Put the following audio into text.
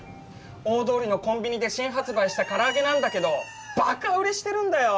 大通りのコンビニで新発売した唐揚げなんだけどバカ売れしてるんだよ！